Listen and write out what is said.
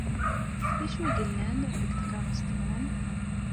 D acu ay yellan deg tkeṛṛust-nwen?